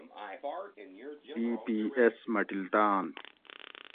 جی پی ایس مٹلتان